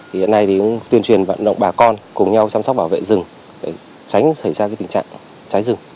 thì hiện nay thì cũng tuyên truyền vận động bà con cùng nhau chăm sóc bảo vệ rừng để tránh xảy ra tình trạng cháy rừng